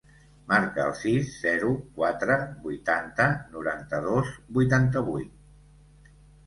Marca el sis, zero, quatre, vuitanta, noranta-dos, vuitanta-vuit.